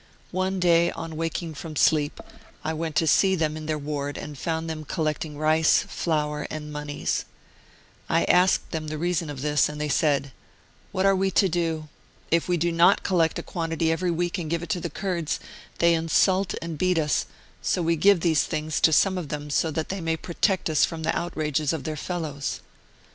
One day, on waking from sleep, I went to see them in their ward and found them collecting rice, flour and moneys. I asked 32 Martyred Armenia them the reason of this, and they said : "What are we to do? If we do not collect a quantity every week and give it to the Kurds, they insult and beat us, so we give these things to some of them so that they may protect us from the outrages of their fellows."